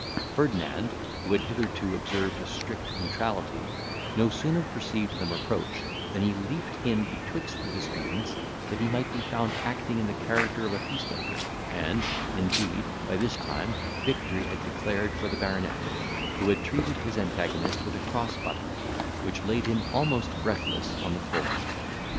Ferdinand, who had hitherto observed a strict neutrality, no sooner perceived them approach, than he leaped in between the disputants, that he might be found acting in the character of a peacemaker; and, indeed, by this time, victory had declared for the baronet, who had treated his antagonist with a cross buttock, which laid him almost breathless on the floor.